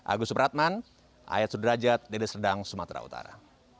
agus pratman ayat sudrajat dede sredang sumatera utara